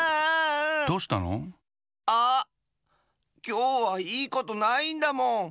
きょうはいいことないんだもん。